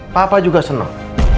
papa juga senang